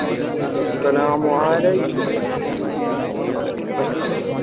United Kingdom চ্যাম্পিয়নশিপের মতো, এর মাঝের মূল প্লেটে যুক্তরাজ্যের রাজকীয় প্রতীকের নকশা অনুসরণ করা হয়েছে।